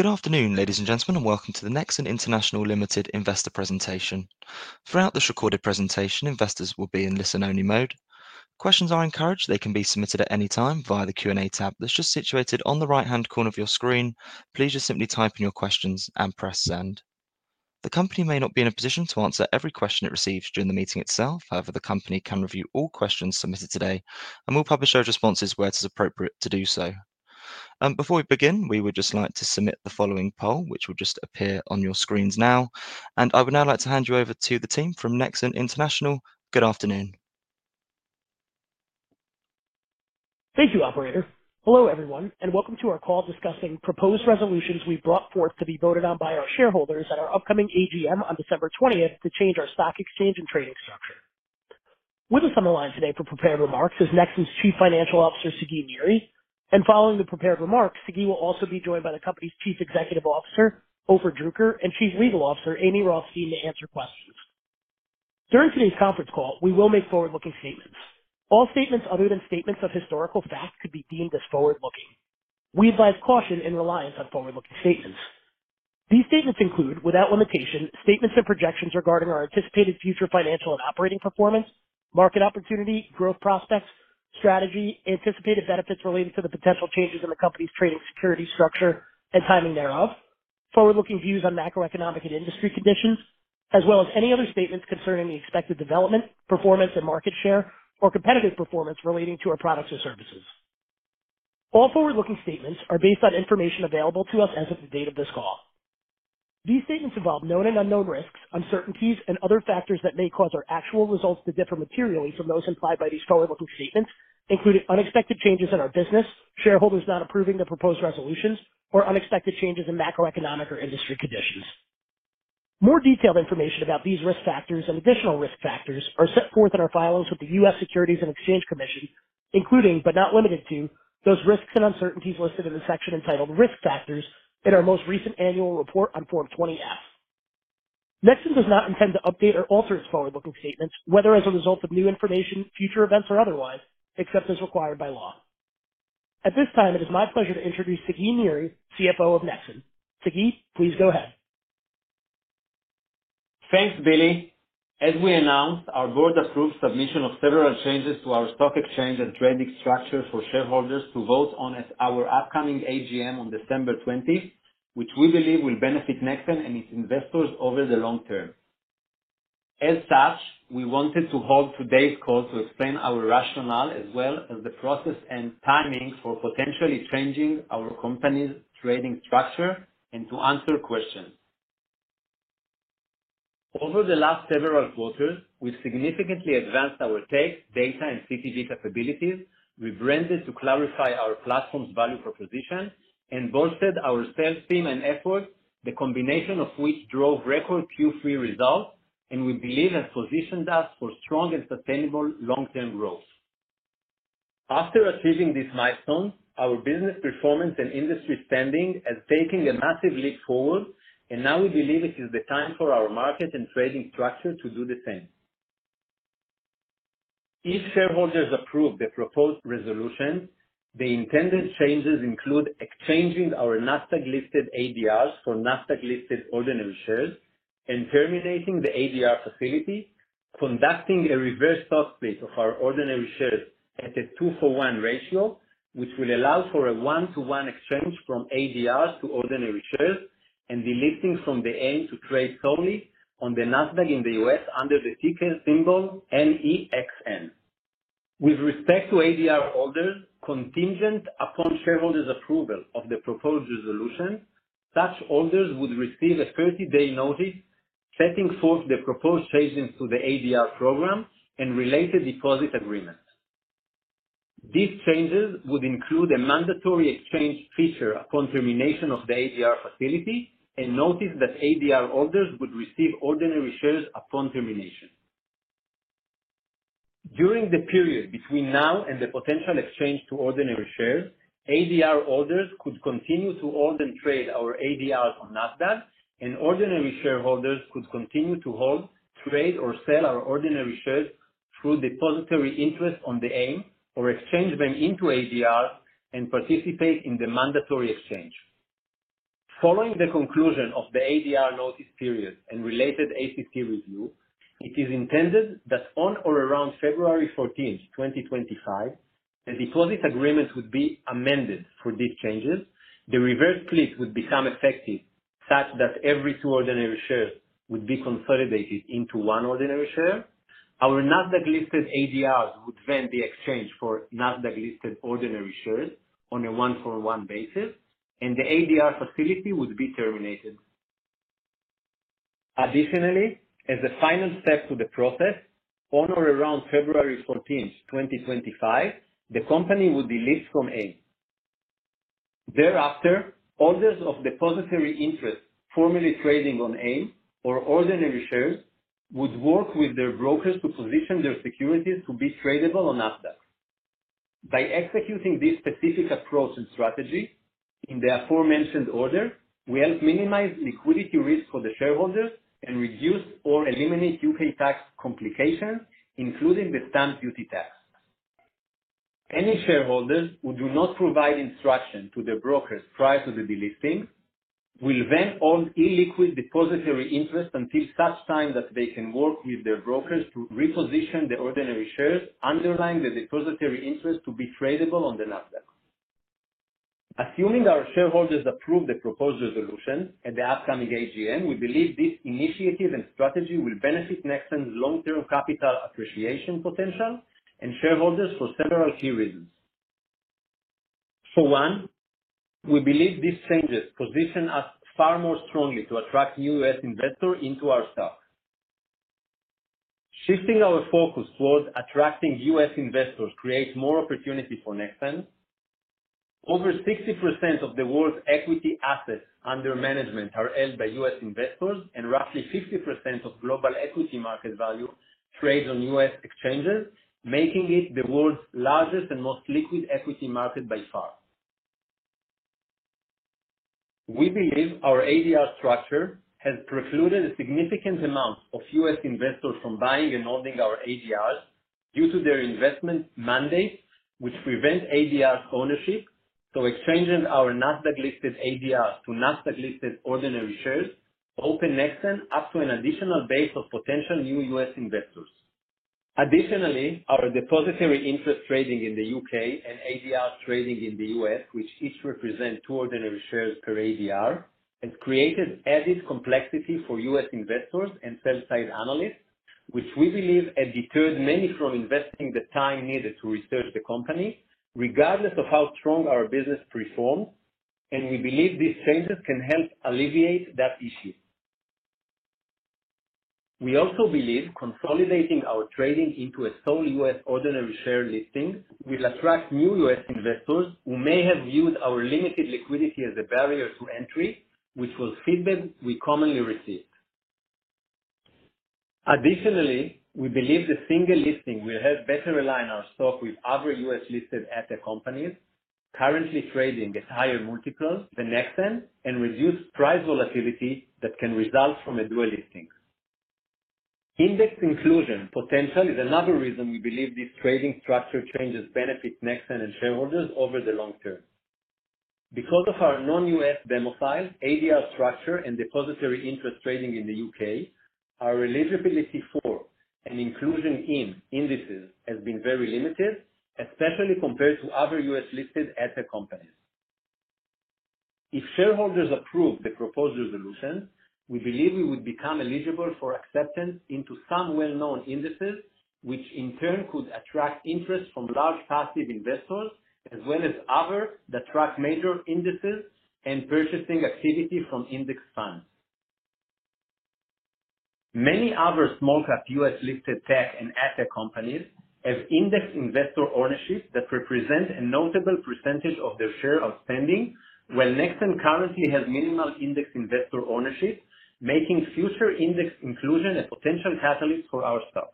Good afternoon, ladies and gentlemen, and welcome to the Nexxen International Limited investor presentation. Throughout this recorded presentation, investors will be in listen-only mode. Questions are encouraged. They can be submitted at any time via the Q&A tab that's just situated on the right-hand corner of your screen. Please just simply type in your questions and press send. The company may not be in a position to answer every question it receives during the meeting itself. However, the company can review all questions submitted today and will publish those responses where it is appropriate to do so. Before we begin, we would just like to submit the following poll, which will just appear on your screens now, and I would now like to hand you over to the team from Nexxen International. Good afternoon. Thank you, Operator. Hello, everyone, and welcome to our call discussing proposed resolutions we've brought forth to be voted on by our shareholders at our upcoming AGM on December 20th to change our stock exchange and trading structure. With us on the line today for prepared remarks is Nexxen's Chief Financial Officer, Sagi Niri. And following the prepared remarks, Sagi will also be joined by the company's Chief Executive Officer, Ofer Druker, and Chief Legal Officer, Amy Rothstein, to answer questions. During today's conference call, we will make forward-looking statements. All statements other than statements of historical fact could be deemed as forward-looking. We advise caution in reliance on forward-looking statements. These statements include, without limitation, statements and projections regarding our anticipated future financial and operating performance, market opportunity, growth prospects, strategy, anticipated benefits related to the potential changes in the company's trading security structure and timing thereof, forward-looking views on macroeconomic and industry conditions, as well as any other statements concerning the expected development, performance, and market share or competitive performance relating to our products or services. All forward-looking statements are based on information available to us as of the date of this call. These statements involve known and unknown risks, uncertainties, and other factors that may cause our actual results to differ materially from those implied by these forward-looking statements, including unexpected changes in our business, shareholders not approving the proposed resolutions, or unexpected changes in macroeconomic or industry conditions. More detailed information about these risk factors and additional risk factors are set forth in our filings with the U.S. Securities and Exchange Commission, including, but not limited to, those risks and uncertainties listed in the section entitled Risk Factors in our most recent annual report on Form 20-F. Nexxen does not intend to update or alter its forward-looking statements, whether as a result of new information, future events, or otherwise, except as required by law. At this time, it is my pleasure to introduce Sagi Niri, CFO of Nexxen. Sagi, please go ahead. Thanks, Billy. As we announced, our board approved submission of several changes to our stock exchange and trading structure for shareholders to vote on at our upcoming AGM on December 20th, which we believe will benefit Nexxen and its investors over the long term. As such, we wanted to hold today's call to explain our rationale as well as the process and timing for potentially changing our company's trading structure and to answer questions. Over the last several quarters, we've significantly advanced our tech, data, and CTV capabilities. We've rebranded to clarify our platform's value proposition and bolstered our sales team and efforts, the combination of which drove record Q3 results, and we believe has positioned us for strong and sustainable long-term growth. After achieving these milestones, our business performance and industry spending has taken a massive leap forward, and now we believe it is the time for our market and trading structure to do the same. If shareholders approve the proposed resolutions, the intended changes include exchanging our NASDAQ-listed ADRs for NASDAQ-listed ordinary shares and terminating the ADR facility, conducting a reverse stock split of our ordinary shares at a two-for-one ratio, which will allow for a one-to-one exchange from ADRs to ordinary shares and delisting from AIM to trade solely on the NASDAQ in the U.S. under the ticker symbol NEXN. With respect to ADR holders, contingent upon shareholders' approval of the proposed resolution, such holders would receive a 30-day notice setting forth the proposed changes to the ADR program and related deposit agreements. These changes would include a mandatory exchange feature upon termination of the ADR facility and notice that ADR holders would receive ordinary shares upon termination. During the period between now and the potential exchange to ordinary shares, ADR holders could continue to hold and trade our ADRs on NASDAQ, and ordinary shareholders could continue to hold, trade, or sell our ordinary shares through depositary interest on the AIM or exchange them into ADRs and participate in the mandatory exchange. Following the conclusion of the ADR notice period and related SEC review, it is intended that on or around February 14th, 2025, the deposit agreement would be amended for these changes. The reverse split would become effective such that every two ordinary shares would be consolidated into one ordinary share. Our NASDAQ-listed ADRs would then be exchanged for NASDAQ-listed ordinary shares on a one-for-one basis, and the ADR facility would be terminated. Additionally, as a final step to the process, on or around February 14th, 2025, the company would delist from AIM. Thereafter, holders of depositary interest formerly trading on AIM or ordinary shares would work with their brokers to position their securities to be tradable on NASDAQ. By executing this specific approach and strategy in the aforementioned order, we help minimize liquidity risk for the shareholders and reduce or eliminate U.K. tax complications, including the Stamp Duty tax. Any shareholders who do not provide instruction to their brokers prior to the delisting will then hold illiquid depositary interest until such time that they can work with their brokers to reposition the ordinary shares underlying the depositary interest to be tradable on the NASDAQ. Assuming our shareholders approve the proposed resolution at the upcoming AGM, we believe this initiative and strategy will benefit Nexxen's long-term capital appreciation potential and shareholders for several key reasons. For one, we believe these changes position us far more strongly to attract new U.S. investors into our stock. Shifting our focus toward attracting U.S. investors creates more opportunity for Nexxen. Over 60% of the world's equity assets under management are held by U.S. investors, and roughly 50% of global equity market value trades on U.S. exchanges, making it the world's largest and most liquid equity market by far. We believe our ADR structure has precluded a significant amount of U.S. investors from buying and holding our ADRs due to their investment mandates, which prevent ADRs ownership. So exchanging our NASDAQ-listed ADRs to NASDAQ-listed ordinary shares opens Nexxen up to an additional base of potential new U.S. investors. Additionally, our depositary interest trading in the U.K. and ADRs trading in the U.S., which each represent two ordinary shares per ADR, has created added complexity for U.S. investors and sell-side analysts, which we believe has deterred many from investing the time needed to research the company, regardless of how strong our business performs. And we believe these changes can help alleviate that issue. We also believe consolidating our trading into a sole U.S. ordinary share listing will attract new U.S. investors who may have viewed our limited liquidity as a barrier to entry, which was feedback we commonly received. Additionally, we believe the single listing will help better align our stock with other U.S.-listed asset companies currently trading at higher multiples than Nexxen and reduce price volatility that can result from a dual listing. Index inclusion potential is another reason we believe this trading structure change has benefited Nexxen and shareholders over the long term. Because of our non-U.S. domicile, ADR structure, and depositary interest trading in the U.K., our eligibility for and inclusion in indices has been very limited, especially compared to other U.S.-listed ad companies. If shareholders approve the proposed resolution, we believe we would become eligible for acceptance into some well-known indices, which in turn could attract interest from large passive investors as well as others that track major indices and purchasing activity from index funds. Many other small-cap U.S.-listed tech and ad companies have index investor ownership that represents a notable percentage of their shares outstanding, while Nexxen currently has minimal index investor ownership, making future index inclusion a potential catalyst for our stock.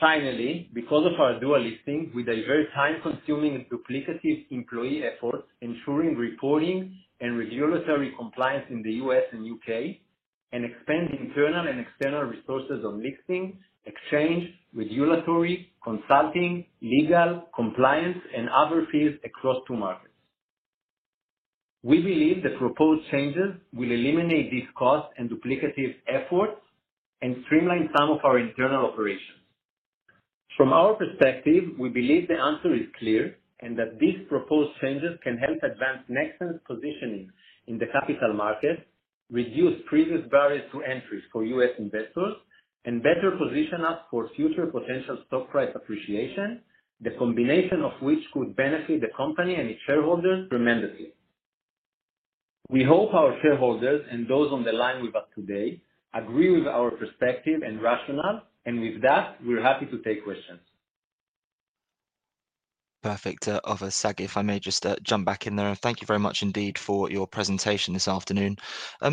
Finally, because of our dual listing, we divert time-consuming and duplicative employee efforts, ensuring reporting and regulatory compliance in the U.S. and U.K., and expand internal and external resources on listing, exchange, regulatory, consulting, legal, compliance, and other fields across two markets. We believe the proposed changes will eliminate these costs and duplicative efforts and streamline some of our internal operations. From our perspective, we believe the answer is clear and that these proposed changes can help advance Nexxen's positioning in the capital markets, reduce previous barriers to entry for U.S. investors, and better position us for future potential stock price appreciation, the combination of which could benefit the company and its shareholders tremendously. We hope our shareholders and those on the line with us today agree with our perspective and rationale, and with that, we're happy to take questions. Perfect. Ofer, Sagi, if I may just jump back in there, and thank you very much indeed for your presentation this afternoon.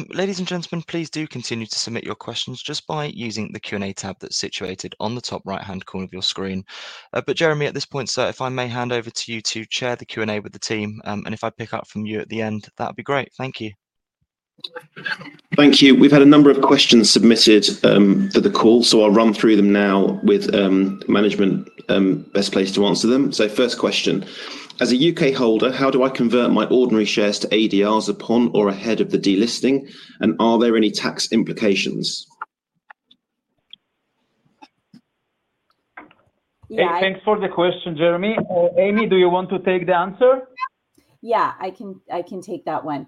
Ladies and gentlemen, please do continue to submit your questions just by using the Q&A tab that's situated on the top right-hand corner of your screen. But Jeremy, at this point, sir, if I may hand over to you to chair the Q&A with the team, and if I pick up from you at the end, that'd be great. Thank you. Thank you. We've had a number of questions submitted for the call, so I'll run through them now with management's best placed to answer them. So first question. As a U.K. holder, how do I convert my ordinary shares to ADRs upon or ahead of the delisting, and are there any tax implications? Thanks for the question, Jeremy. Amy, do you want to take the answer? Yeah, I can take that one.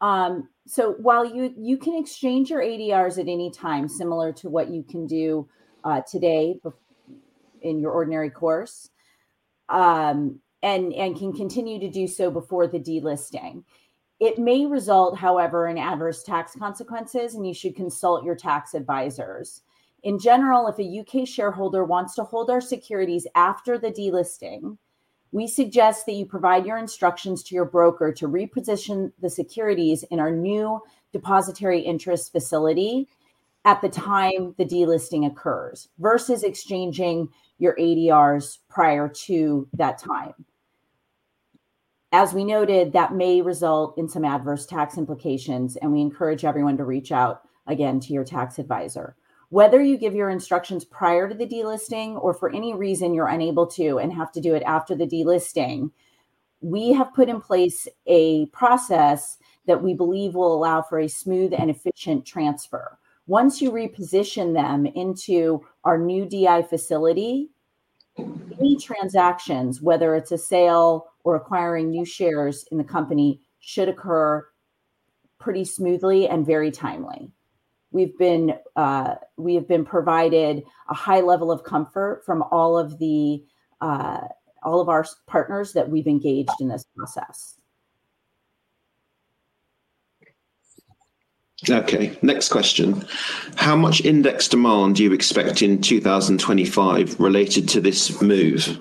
So while you can exchange your ADRs at any time, similar to what you can do today in your ordinary course, and can continue to do so before the delisting, it may result, however, in adverse tax consequences, and you should consult your tax advisors. In general, if a U.K. shareholder wants to hold our securities after the delisting, we suggest that you provide your instructions to your broker to reposition the securities in our new depositary interest facility at the time the delisting occurs versus exchanging your ADRs prior to that time. As we noted, that may result in some adverse tax implications, and we encourage everyone to reach out again to your tax advisor. Whether you give your instructions prior to the delisting or for any reason you're unable to and have to do it after the delisting, we have put in place a process that we believe will allow for a smooth and efficient transfer. Once you reposition them into our new DI facility, any transactions, whether it's a sale or acquiring new shares in the company, should occur pretty smoothly and very timely. We have been provided a high level of comfort from all of our partners that we've engaged in this process. Okay. Next question. How much index demand do you expect in 2025 related to this move?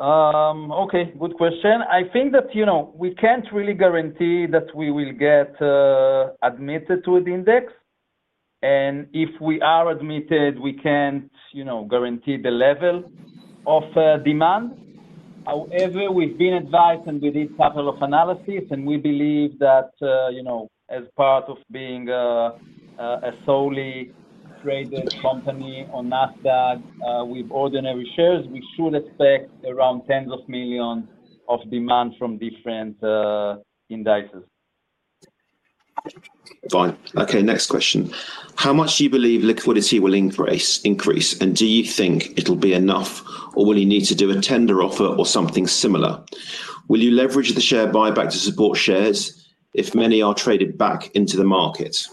Okay. Good question. I think that we can't really guarantee that we will get admitted to the index. And if we are admitted, we can't guarantee the level of demand. However, we've been advised and we did a couple of analyses, and we believe that as part of being a solely traded company on NASDAQ with ordinary shares, we should expect around tens of millions of demand from different indices. Fine. Okay. Next question. How much do you believe liquidity will increase, and do you think it'll be enough, or will you need to do a tender offer or something similar? Will you leverage the share buyback to support shares if many are traded back into the market?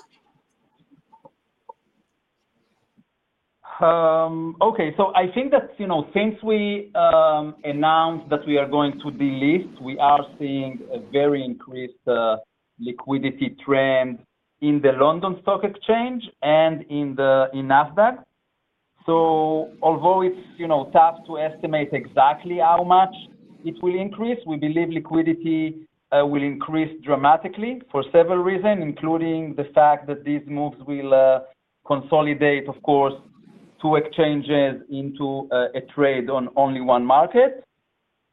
Okay. So I think that since we announced that we are going to delist, we are seeing a very increased liquidity trend in the London Stock Exchange and in NASDAQ. So although it's tough to estimate exactly how much it will increase, we believe liquidity will increase dramatically for several reasons, including the fact that these moves will consolidate, of course, two exchanges into a trade on only one market.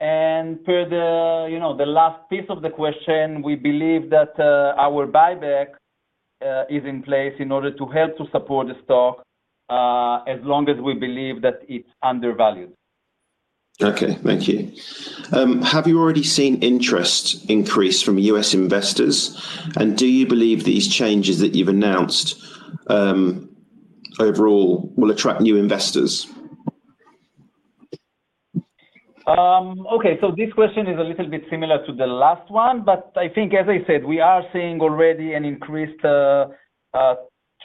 And per the last piece of the question, we believe that our buyback is in place in order to help to support the stock as long as we believe that it's undervalued. Okay. Thank you. Have you already seen interest increase from U.S. investors, and do you believe these changes that you've announced overall will attract new investors? Okay. So this question is a little bit similar to the last one, but I think, as I said, we are seeing already an increased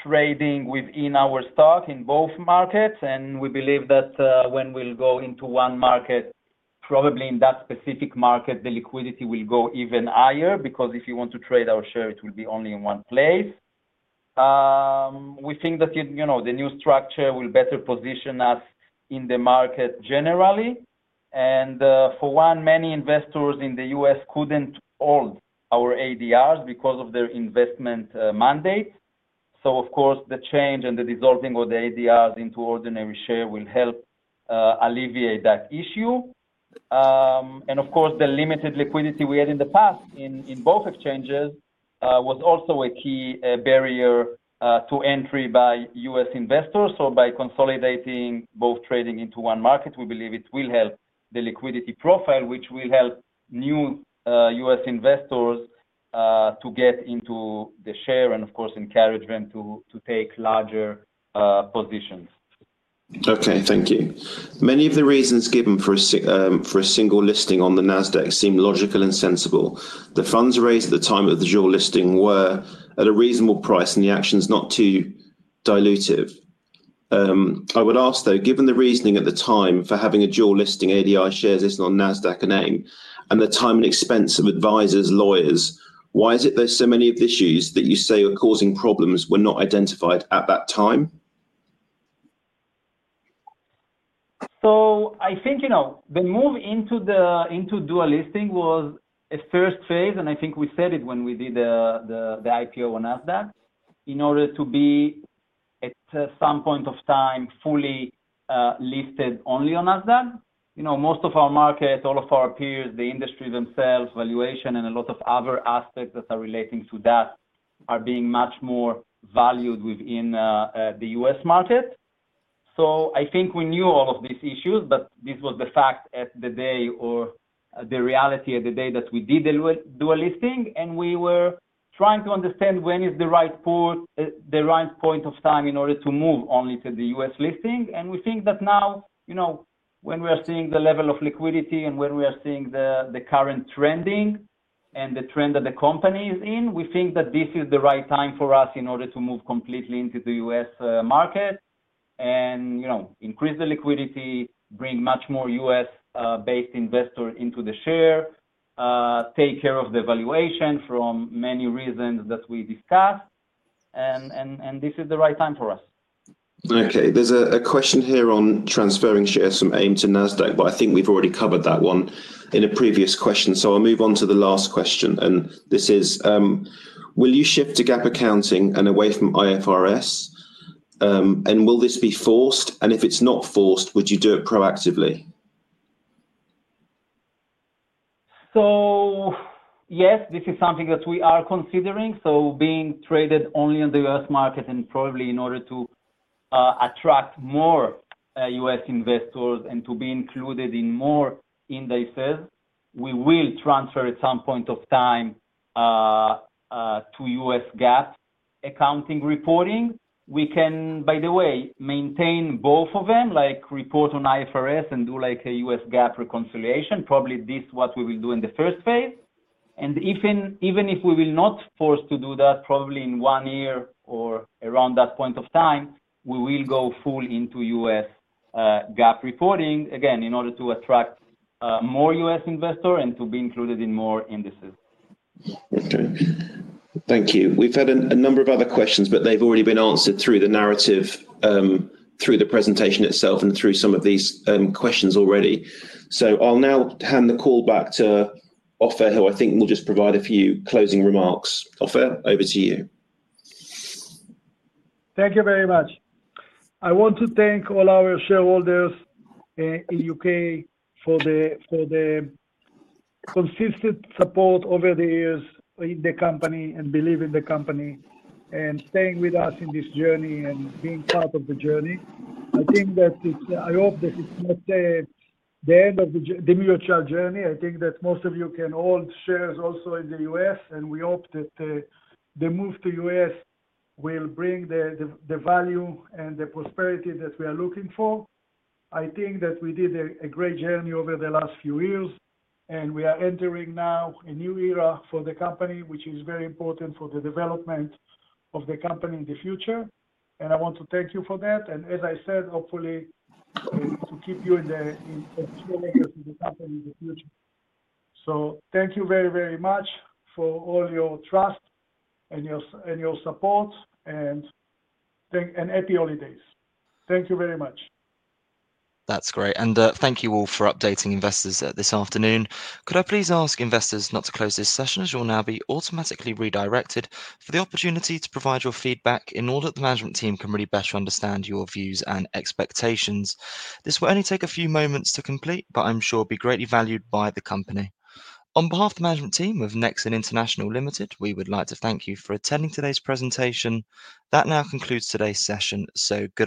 trading within our stock in both markets. And we believe that when we'll go into one market, probably in that specific market, the liquidity will go even higher because if you want to trade our share, it will be only in one place. We think that the new structure will better position us in the market generally. And for one, many investors in the U.S. couldn't hold our ADRs because of their investment mandates. So, of course, the change and the dissolving of the ADRs into ordinary shares will help alleviate that issue. And, of course, the limited liquidity we had in the past in both exchanges was also a key barrier to entry by U.S. investors. So by consolidating both trading into one market, we believe it will help the liquidity profile, which will help new U.S. investors to get into the share and, of course, encourage them to take larger positions. Okay. Thank you. Many of the reasons given for a single listing on the NASDAQ seem logical and sensible. The funds raised at the time of the dual listing were at a reasonable price and the actions not too dilutive. I would ask, though, given the reasoning at the time for having a dual listing ADR shares listed on NASDAQ and AIM and the time and expense of advisors, lawyers, why is it there are so many of the issues that you say are causing problems were not identified at that time? So I think the move into dual listing was a first phase, and I think we said it when we did the IPO on NASDAQ, in order to be at some point of time fully listed only on NASDAQ. Most of our market, all of our peers, the industry themselves, valuation, and a lot of other aspects that are relating to that are being much more valued within the U.S. market. So I think we knew all of these issues, but this was the fact at the day or the reality at the day that we did the dual listing, and we were trying to understand when is the right point of time in order to move only to the U.S. listing. We think that now, when we are seeing the level of liquidity and when we are seeing the current trending and the trend that the company is in, we think that this is the right time for us in order to move completely into the U.S. market and increase the liquidity, bring much more U.S.-based investors into the share, take care of the valuation from many reasons that we discussed, and this is the right time for us. Okay. There's a question here on transferring shares from AIM to NASDAQ, but I think we've already covered that one in a previous question. So I'll move on to the last question, and this is, will you shift to GAAP accounting and away from IFRS? And will this be forced? And if it's not forced, would you do it proactively? So yes, this is something that we are considering. So being traded only on the U.S. market and probably in order to attract more U.S. investors and to be included in more indices, we will transfer at some point of time to U.S. GAAP accounting reporting. We can, by the way, maintain both of them, like report on IFRS and do a U.S. GAAP reconciliation. Probably this is what we will do in the first phase. And even if we will not force to do that, probably in one year or around that point of time, we will go full into U.S. GAAP reporting, again, in order to attract more U.S. investors and to be included in more indices. Okay. Thank you. We've had a number of other questions, but they've already been answered through the narrative, through the presentation itself, and through some of these questions already. So I'll now hand the call back to Ofer, who I think will just provide a few closing remarks. Ofer, over to you. Thank you very much. I want to thank all our shareholders in the U.K. for the consistent support over the years in the company and believe in the company and staying with us in this journey and being part of the journey. I think that I hope that it's not the end of the mutual journey. I think that most of you can hold shares also in the U.S., and we hope that the move to the U.S. will bring the value and the prosperity that we are looking for. I think that we did a great journey over the last few years, and we are entering now a new era for the company, which is very important for the development of the company in the future. I want to thank you for that. And as I said, hopefully, to keep you in the shareholders of the company in the future. So thank you very, very much for all your trust and your support and happy holidays. Thank you very much. That's great. And thank you all for updating investors this afternoon. Could I please ask investors not to close this session as you'll now be automatically redirected for the opportunity to provide your feedback in order that the management team can really better understand your views and expectations? This will only take a few moments to complete, but I'm sure it will be greatly valued by the company. On behalf of the management team of Nexxen International Limited, we would like to thank you for attending today's presentation. That now concludes today's session. So go.